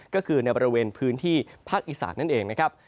ก็คือในบริเวณพื้นที่ภาคอีสานนั่นเองนะครับ